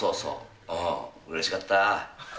うれしかったぁ。